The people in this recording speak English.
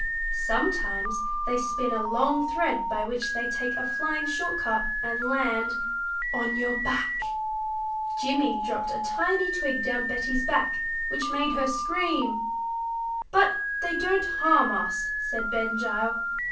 Sometimes they spin a long thread by which they take a flying short cut and land on your back." Jimmie dropped a tiny twig down Betty's back, which made her scream. "But they don't harm us," said Ben Gile.